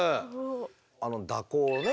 あの蛇行ね